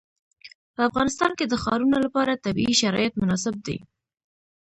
په افغانستان کې د ښارونه لپاره طبیعي شرایط مناسب دي.